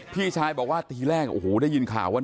พี่ชายบอกว่าทีแรกโอ้โหได้ยินข่าวว่า